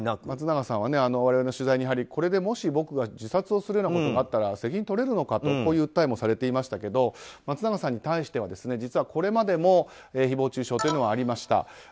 松永さんは我々の取材にこれでもし自殺をするようなことがあったら責任を取れるのかとこういう訴えもされていましたが松永さんに対しては実はこれまでも誹謗中傷というのはありました。